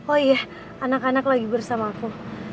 oh iya anak anak lagi bersama aku